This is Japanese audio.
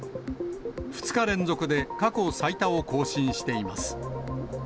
２日連続で過去最多を更新しています。